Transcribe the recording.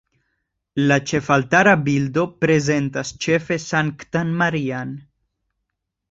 La ĉefaltara bildo prezentas ĉefe Sanktan Marian.